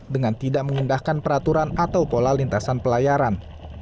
dengan tidak mengindahkan peraturan atau pola lintasan pelayaran